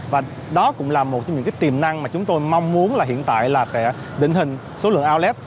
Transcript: và đó cũng là một trong những tiềm năng mà chúng tôi mong muốn là hiện tại là sẽ định hình số lượng oleb